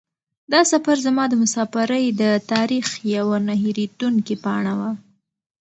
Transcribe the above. دا سفر زما د مسافرۍ د تاریخ یوه نه هېرېدونکې پاڼه وه.